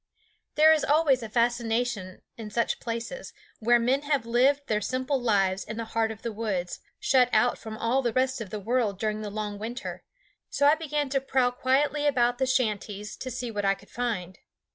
There is always a fascination in such places, where men have lived their simple lives in the heart of the woods, shut out from all the rest of the world during the long winter; so I began to prowl quietly about the shanties to see what I could find.